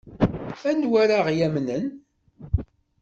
Anwa ara ɣ-yamnen?